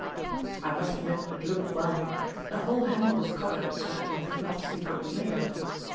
I must admit that it looked well. The whole handle was covered, so that one could not see what it was made of.